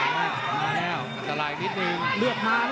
ต้องออกครับอาวุธต้องขยันด้วย